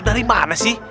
dari mana sih